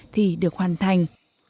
thì được hoàn thành